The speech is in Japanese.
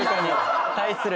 対する。